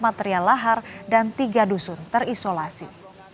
material lahar dan tiga dusun terisolasi